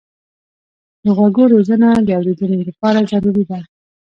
د غوږو روزنه د اورېدنې لپاره ضروري ده.